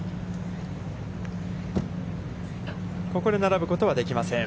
ここで並ぶことはできません。